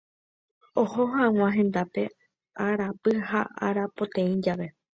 Oho hag̃ua hendápe araapy ha arapoteĩ jave.